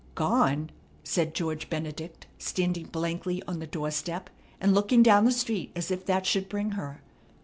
"Gone?" said George Benedict, standing blankly on the door step and looking down the street as if that should bring her.